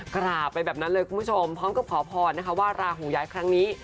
กราบไปแบบนั้นเลยคุณผู้ชมพร้อมกับขอพรนะคะว่าราหูย้ายครั้งนี้